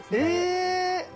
え